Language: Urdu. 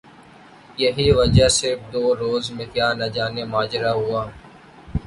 یہی وجہ صرف دو روز میں کیا نجانے ماجرہ ہوا